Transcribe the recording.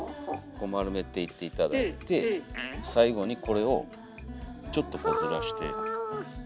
こう丸めていって頂いて最後にこれをちょっとこうずらして。